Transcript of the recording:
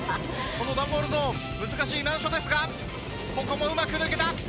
この段ボールゾーン難しい難所ですがここもうまく抜けた。